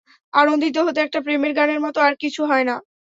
আনন্দিত হতে একটা প্রেমের গানের মত আর কিছু হয় না।